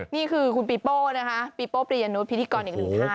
นี่คือคุณปีโป้นะคะปีโป้ปริยนุษย์พิธีกรอีกหนึ่งท่าน